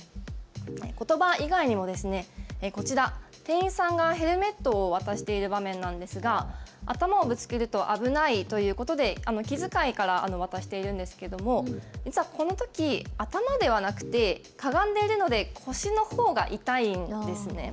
ことば以外にも、こちら、店員さんがヘルメットを渡している場面なんですが頭をぶつけると危ないと気遣いから渡しているんですが、実はこのとき頭ではなくてかがんでいるので腰のほうが痛いんですね。